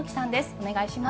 お願いします。